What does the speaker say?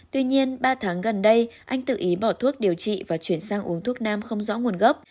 tuy nhiên ba tháng gần đây anh tự ý bỏ thuốc điều trị và chuyển sang uống thuốc nam không rõ nguồn gốc